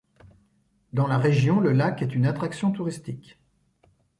Dans la région, le lac est une attraction touristique.